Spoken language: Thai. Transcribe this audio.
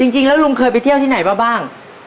จริงแล้วลุงเคยไปเที่ยวที่ไหนมาบ้าง